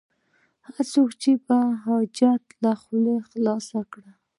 هر څوک چې په احتیاج خوله خلاصه کړي.